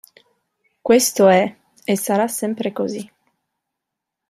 Questo è, e sarà sempre così.